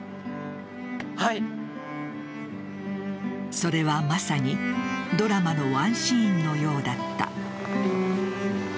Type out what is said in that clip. それは、まさにドラマのワンシーンのようだった。